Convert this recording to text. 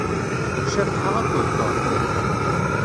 Cabḥa akked Tom.